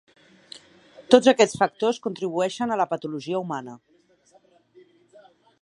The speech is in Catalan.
Tots aquests factors contribueixen a la patologia humana.